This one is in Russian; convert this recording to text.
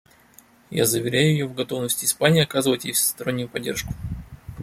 Я заверяю ее в готовности Испании оказывать ей всестороннюю поддержку.